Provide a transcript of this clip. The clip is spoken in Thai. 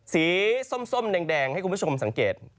ส้มแดงให้คุณผู้ชมสังเกต